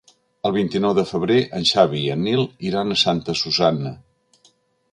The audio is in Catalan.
El vint-i-nou de febrer en Xavi i en Nil iran a Santa Susanna.